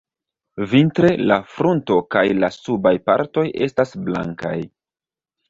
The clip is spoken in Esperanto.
Vintre, la frunto kaj la subaj partoj estas blankaj.